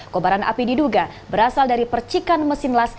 kobaran api diduga berasal dari percikan mesin las